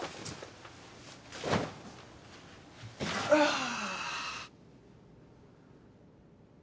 ああ。